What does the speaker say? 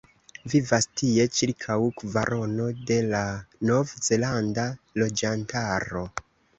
Vivas tie ĉirkaŭ kvarono de la nov-zelanda loĝantaro.